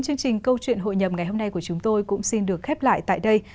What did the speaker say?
chương trình câu chuyện hội nhập ngày hôm nay của chúng tôi cũng xin được khép lại tại đây